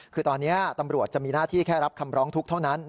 คือตอนนี้ตำรวจจะมีหน้าที่แค่รับคำร้องทุกข์เท่านั้น